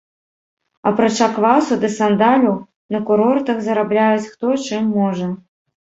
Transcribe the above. Апрача квасу ды сандаляў на курортах зарабляюць, хто чым можа.